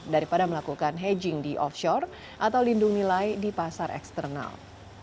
daripada melakukan hedging di offshore atau lindung nilai di pasar eksternal